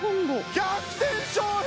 逆転勝利！